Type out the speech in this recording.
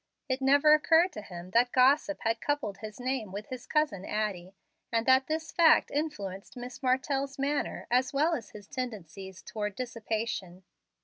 It never occurred to him that gossip had coupled his name with his cousin Addie, and that this fact influenced Miss Martell's manner as well as his tendencies toward dissipation.